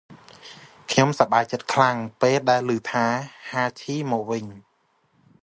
ខ្ញុំសប្បាយចិត្តខ្លាំង ពេលដែលលឺថា ហាឈីមកវិញ។